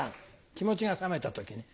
気持ちが冷めた時ね。